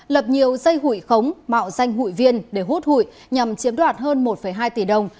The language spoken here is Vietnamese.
lập nhiều dây hủy khống mạo danh hủy viên để hút hủy nhằm chiếm đoạt hơn một hai tỷ đồng